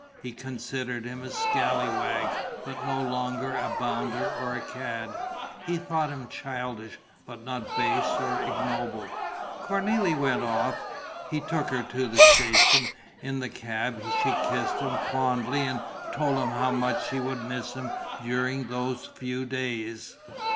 He considered him a scallywag, but no longer a bounder or a cad. He thought him childish, but not base or ignoble. Cornélie went off. He took her to the station. In the cab she kissed him fondly and told him how much she would miss him during those few days.